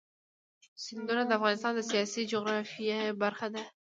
سیندونه د افغانستان د سیاسي جغرافیه برخه ده.